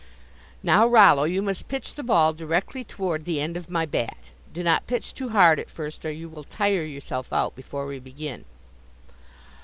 "Now, Rollo, you must pitch the ball directly toward the end of my bat. Do not pitch too hard at first, or you will tire yourself out before we begin."